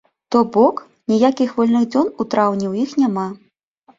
То бок, ніякіх вольных дзён у траўні ў іх няма.